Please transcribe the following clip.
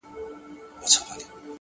خپل احساسات د عقل په تله وتلئ,